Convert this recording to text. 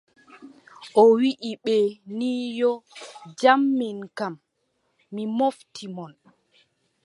O wiʼi ɓe ni yoo , jam min kam mi mofti mon.